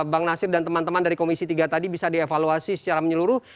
bang nasir dan teman teman dari komisi tiga tadi bisa dievaluasi secara menyeluruh